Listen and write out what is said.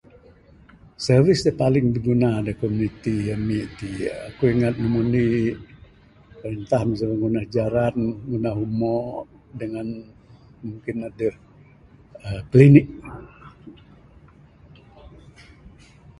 Service dak paling bigunan dak komuniti ami ti ku ingat ne nombor indi printah mi ngundah jeran, ngundah umo dengan mungkin adeh uhh klinik.